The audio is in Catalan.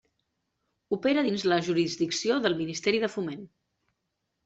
Opera dins de la jurisdicció del Ministeri de Foment.